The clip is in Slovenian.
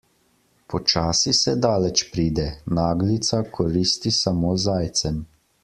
Počasi se daleč pride, naglica koristi samo zajcem.